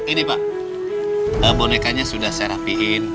ini pak bonekanya sudah saya rapiin